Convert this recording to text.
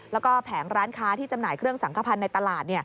แล้วก็แผงร้านค้าที่จำหน่ายเครื่องสังขพันธ์ในตลาด